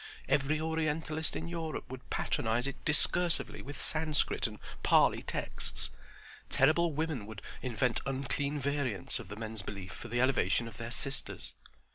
Every Orientalist in Europe would patronize it discursively with Sanskrit and Pali texts. Terrible women would invent unclean variants of the men's belief for the elevation of their sisters.